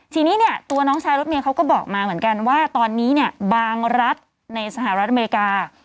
ทีนี้เนี่ยตัวน้องชายรถเมย์เขาก็บอกมาเหมือนกันว่าตอนนี้เนี่ยบางรัฐในสหรัฐอเมริกา